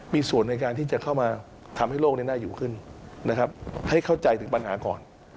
มีส่วนในการที่จะเข้ามาทำให้โลกน่าอยู่ขึ้นนะครับให้เข้าใจถึงปัญหาก่อน